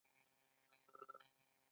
د قرغې جهیل اوبه له کومه راځي؟